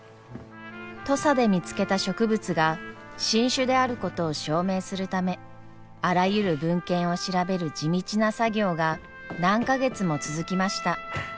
土佐で見つけた植物が新種であることを証明するためあらゆる文献を調べる地道な作業が何か月も続きました。